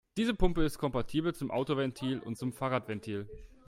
Diese Pumpe ist kompatibel zum Autoventil und zum Fahrradventil.